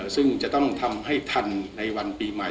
ซึ่งจะต้องทำให้ทันในวันปีใหม่